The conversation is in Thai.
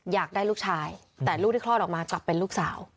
อยากได้ลูกชายแต่ลูกที่คลอดออกมากลับเป็นลูกสาว